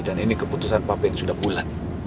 dan ini keputusan papi yang sudah bulan